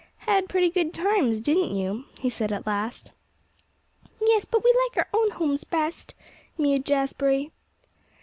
"Had pretty good times, didn't you?" he said at last. "Yes; but we like our own homes best!" mewed Jazbury.